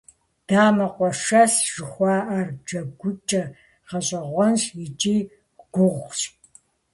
Дамэкъуэшэс жыхуаӏэр джэгукӀэ гъэщӀэгъуэнщ икӀи гугъущ.